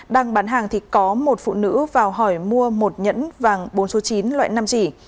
đang bán hàng thì có một phụ nữ vào hỏi mua một nhẫn vàng bốn số chín loại năm chỉ